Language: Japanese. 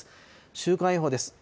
週間予報です。